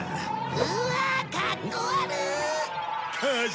うわあかっこ悪っ！